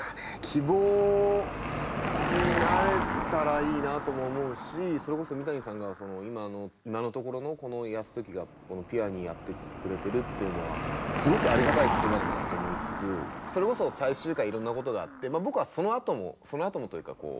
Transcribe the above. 希望になれたらいいなとも思うしそれこそ三谷さんが今の今のところのこの泰時がピュアにやってくれてるっていうのはすごくありがたい言葉だなと思いつつそれこそ最終回いろんなことがあって僕はそのあともそのあともというかこう。